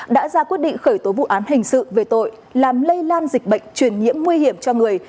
đã ra quyết định khởi tố vụ án hình sự về tội làm lây lan dịch bệnh truyền nhiễm nguy hiểm cho người